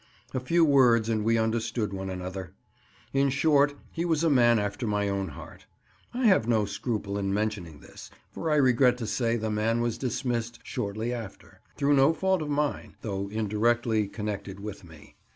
A few words and we understood one another; in short, he was a man after my own heart. I have no scruple in mentioning this, for I regret to say the man was dismissed shortly after—through no fault of mine, though indirectly connected with me.